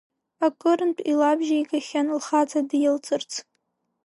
Акырынтә илабжьеигахьан лхаҵа дилҵырц.